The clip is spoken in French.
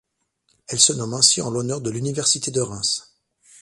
Elle se nomme ainsi en l'honneur de l'Université de Reims.